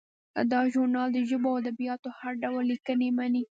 دا ژورنال د ژبو او ادبیاتو هر ډول لیکنې مني.